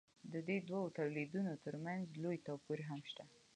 د دې دوو تولیدونو ترمنځ لوی توپیر هم شته.